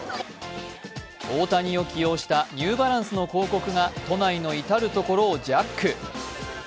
大谷を起用したニューバランスの広告が都内のいたるところをジャック。